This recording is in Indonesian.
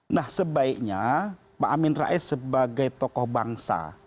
nah sebaiknya pak amin rais sebagai tokoh bangsa